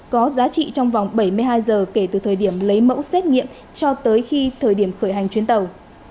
có giá trị trong vòng bảy mươi hai giờ kể từ thời điểm lấy mẫu xét nghiệm cho tới khi thời điểm khởi hành chuyến tàu